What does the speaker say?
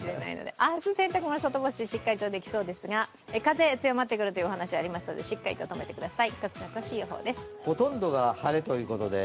明日、洗濯物しっかり干せそうですが風、強まってくるというお話がありますので、しっかりととめてください。